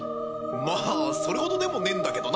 まあそれほどでもねえんだけどな！